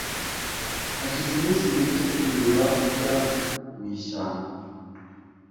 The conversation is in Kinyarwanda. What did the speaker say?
Hashize iminsi mike, imbeba ijya mu ishyamba